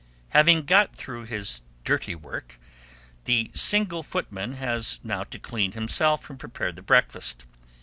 Having got through his dirty work, the single footman has now to clean himself and prepare the breakfast.